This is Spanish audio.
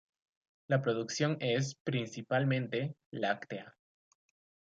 La producción es, principalmente, láctea.